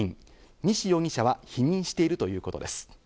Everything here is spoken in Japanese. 西容疑者は否認しているということです。